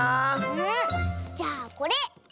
じゃあこれ。